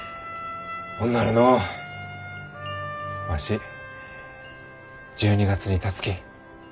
ほんならのうわし１２月にたつき。